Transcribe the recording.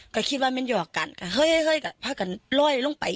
กับคิดว่ามันยอกกันกับเฮ้ยเฮ้ยเฮ้ยกับถ้ากันล่อยลงไป